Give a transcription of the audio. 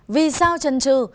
vì sao chân trư